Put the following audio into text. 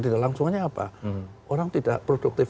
tidak langsungnya apa orang tidak produktif